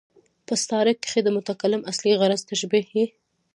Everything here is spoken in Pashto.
په استعاره کښي د متکلم اصلي غرض تشبېه يي.